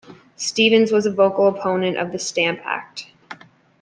Stevens was a vocal opponent of the Stamp Act.